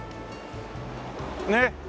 ねっ。